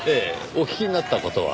お聞きになった事は？